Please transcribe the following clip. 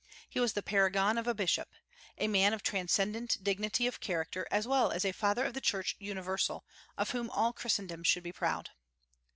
He was the paragon of a bishop, a man of transcendent dignity of character, as well as a Father of the Church Universal, of whom all Christendom should be proud.